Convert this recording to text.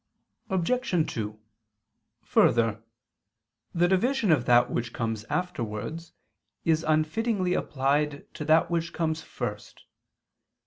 Obj. 2: Further, the division of that which comes afterwards is unfittingly applied to that which comes first.